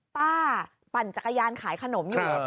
ปั่นจักรยานขายขนมอยู่